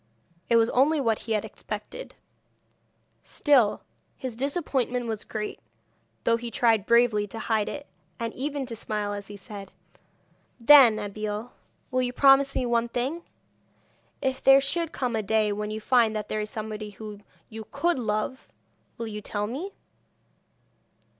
It was only what he had expected; still, his disappointment was great, though he tried bravely to hide it, and even to smile as he said: 'Then, Abeille, will you promise me one thing? If there should come a day when you find that there is somebody whom you could love, will you tell me?'